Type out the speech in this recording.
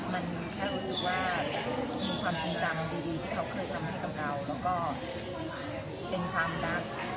มันแค่รู้สึกว่ามีความเป็นจำดีที่เขาเคยทำให้กับเราแล้วก็เป็นความรัก